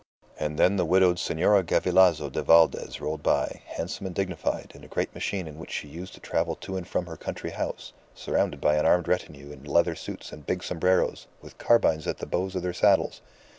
And then the widowed Senora Gavilaso de Valdes rolled by, handsome and dignified, in a great machine in which she used to travel to and from her country house, surrounded by an armed retinue in leather suits and big sombreros, with carbines at the bows of their saddles.